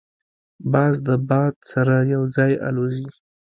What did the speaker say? باز د باد سره یو ځای الوزي